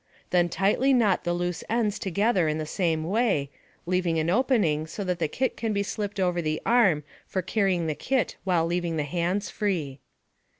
Then tightly knot the loose ends together in the same way, leaving an opening so that the kit can be slipped over the arm for carrying the kit while leaving the hands free.